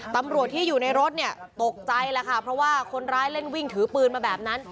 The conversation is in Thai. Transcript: ตำรวจที่อยู่ในรถเนี่ยตกใจแล้วค่ะเพราะว่าคนร้ายเล่นวิ่งถือปืนมาแบบนั้น